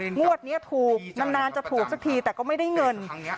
งวดนี้ถูกนานจะถูกสักทีแต่ก็ไม่ได้เงิน